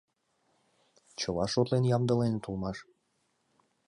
Чыла шотлен ямдыленат улмаш...